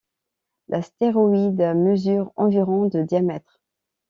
L'astéroïde mesure environ de diamètre.